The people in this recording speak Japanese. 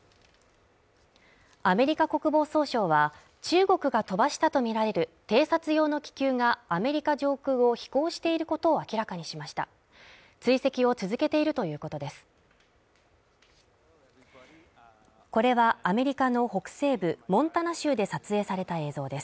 アメリカ国防総省は中国が飛ばしたと見られる偵察用の気球がアメリカ上空を飛行していることを明らかにしました追跡を続けているということです